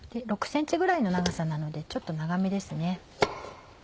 ６ｃｍぐらいの長さなのでちょっと長めですね。